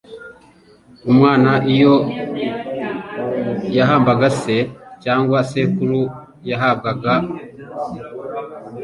Umwana iyo yahambaga se cyangwa sekuru yahabwaga